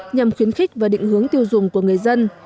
nhằm khuyến khích và định hướng tiêu dùng của người dân